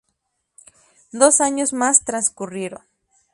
Dos años más transcurrieron.